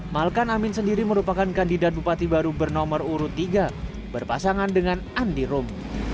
malkan amin sendiri merupakan kandidat bupati baru bernomor urut tiga berpasangan dengan andi rum